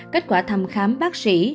kết quả thăm khám bác sĩ